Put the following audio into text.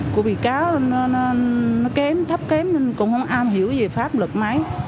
cũng bị cáo nên nó kém thấp kém nên cũng không am hiểu gì pháp lực máy